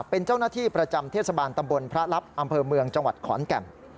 เป็นเจ้าหน้าที่ประจำเทศบาลตำบลพระลับอำเภอเมืองจังหวัดขอนแก่น